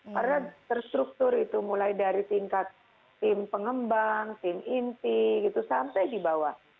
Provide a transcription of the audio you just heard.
karena terstruktur itu mulai dari tingkat tim pengembang tim inti gitu sampai di bawah